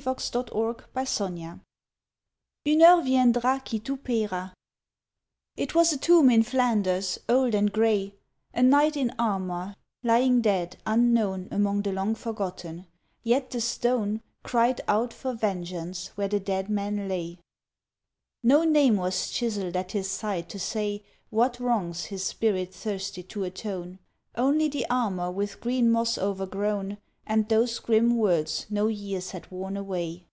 1879. SONNETS "UNE HEURE VIENDRA QUI TOUT PAIERA" It was a tomb in Flanders, old and grey, A knight in armour, lying dead, unknown Among the long forgotten, yet the stone Cried out for vengeance where the dead man lay; No name was chiselled at his side to say What wrongs his spirit thirsted to atone, Only the armour with green moss o'ergrown, And those grim words no years had worn away.